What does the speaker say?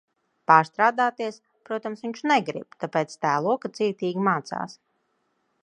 Pārstrādāties, protams, viņš negrib, tāpēc tēlo, ka cītīgi mācās.